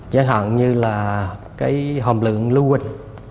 giá hẳn như là cái hồng lượng lưu quỳnh